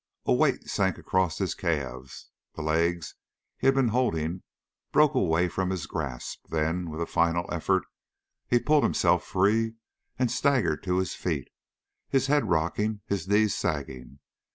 A weight sank across his calves, the legs he had been holding broke away from his grasp; then, with a final effort, he pulled himself free and staggered to his feet, his head rocking, his knees sagging.